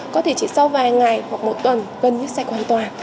có thể chỉ sau vài ngày hoặc một tuần gần như sạch hoàn toàn